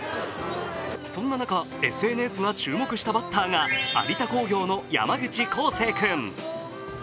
そんな中、ＳＮＳが注目したバッターが有田工業の山口洸生君。